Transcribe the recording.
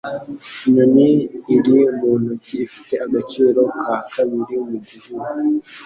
Inyoni iri mu ntoki ifite agaciro ka kabiri mu gihuru.